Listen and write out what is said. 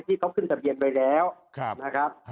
ที่เขาขึ้นทะเบียนไว้แล้วนะครับ